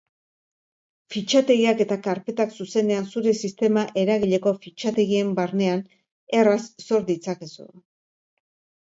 Fitxategiak eta karpetak zuzenean zure sistema eragileko fitxategien barnean erraz sor ditzakezu.